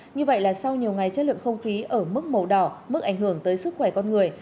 như vậy là sau nhiều ngày chất lượng không khí ở mức màu đỏ mức ảnh hưởng tới sức khỏe con người